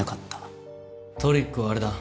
トリックはあれだ。